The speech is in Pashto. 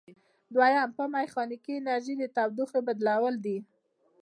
دوهم په میخانیکي انرژي د تودوخې بدلول دي.